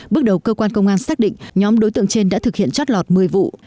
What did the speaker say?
bước đầu cơ quan công an xác định nhóm đối tượng trên đã thực hiện trót lọt một mươi vụ